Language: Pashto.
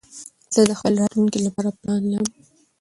زه د خپل راتلونکي لپاره پلان لرم.